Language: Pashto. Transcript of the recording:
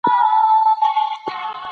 پښتو غرور ساتي.